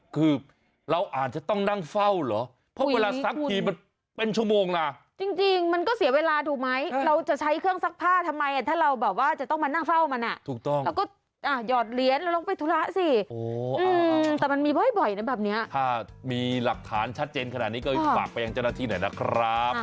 คือเราอาจจะต้องนั่งเฝ้าหรอ